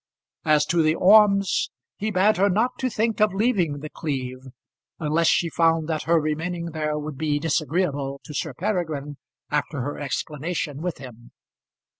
As to the Ormes, he bade her not to think of leaving The Cleeve, unless she found that her remaining there would be disagreeable to Sir Peregrine after her explanation with him.